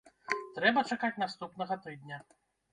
Трэба чакаць наступнага тыдня.